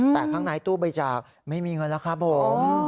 แต่บ้างไหนตู้บริจาคไม่มีเงินแล้วผม